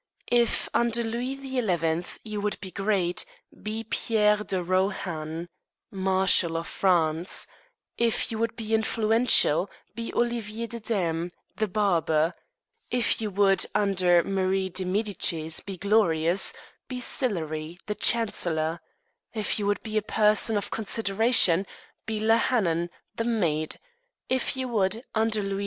If, under Louis XI., you would be great, be Pierre de Rohan, Marshal of France; if you would be influential, be Olivier le Daim, the barber; if you would, under Mary de Medicis, be glorious, be Sillery, the Chancellor; if you would be a person of consideration, be La Hannon, the maid; if you would, under Louis XV.